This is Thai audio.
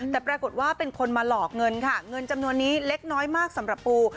แต่ปรากฏว่าเป็นคนมาหลอกเงินค่ะเงินจำนวนนี้เล็กน้อยมากสำหรับปู